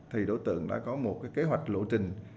thì đối tượng đã có một cái kế hoạch lộ trình